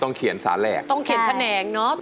ต้องเขียนสารแหลกต้องเขียนแขนง